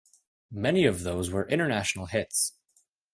Many of those were international hits.